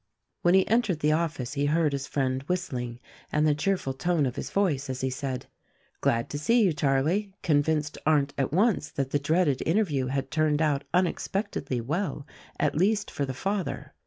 When he entered the office he heard his friend whistling, and the cheerful tone of his voice as he said, "Glad to see you, Charlie," convinced Arndt at once that the dreaded interview had turned out unexpectedly well— at least for the father.